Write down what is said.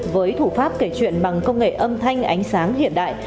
với thủ pháp kể chuyện bằng công nghệ âm thanh ánh sáng hiện đại